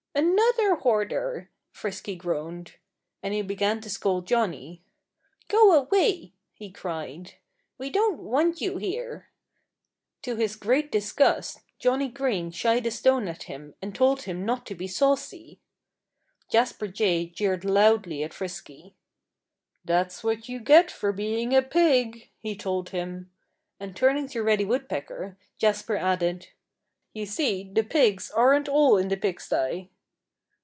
"Another hoarder!" Frisky groaned. And he began to scold Johnnie. "Go away!" he cried. "We don't want you here." To his great disgust Johnnie Green shied a stone at him and told him not to be saucy. Jasper Jay jeered loudly at Frisky. "That's what you get for being a pig," he told him. And turning to Reddy Woodpecker, Jasper added, "You see the pigs aren't all in the pigsty!"